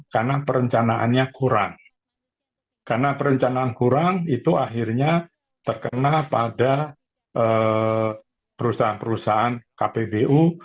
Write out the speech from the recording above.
karena perencanaannya kurang karena perencanaan kurang itu akhirnya terkena pada perusahaan perusahaan kpbu